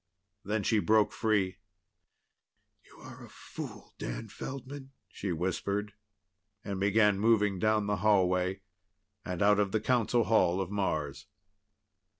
Then she broke free. "You're a fool, Dan Feldman," she whispered, and began moving down the hallway and out of the council hall of Mars.